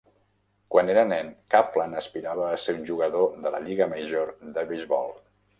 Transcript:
Quan era nen, Kaplan aspirava a ser un jugador de la Lliga major de beisbol.